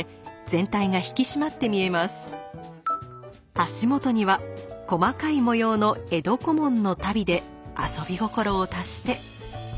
足元には細かい模様の「江戸小紋」の足袋で遊び心を足して。